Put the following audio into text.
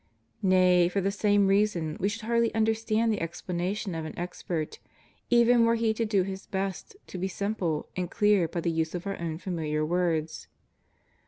Nay, for the same reasons we should hardly understand the explanation of an expert, even were he to do his best to be simple and clear by the use of our own familiar words.